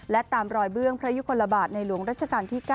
และตามรอยเบื้องพระยุคลบาทในหลวงรัชกาลที่๙